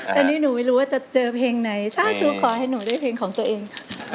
ตอนนี้หนูไม่รู้ว่าจะเจอเพลงไหนถ้าหนูขอให้หนูได้เพลงของตัวเองค่ะ